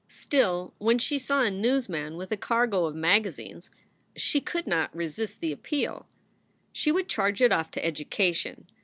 Still, when she saw a newsman with a cargo of magazines, she could not resist the appeal. She would charge it off to education.